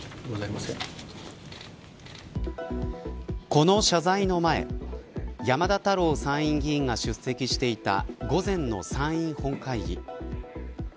この謝罪の前山田太郎参院議員が出席していた午前の参院本会議。